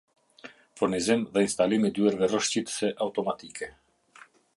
Furnizim dhe instalim i dyerve rreshqitese automatike